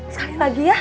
sekali lagi ya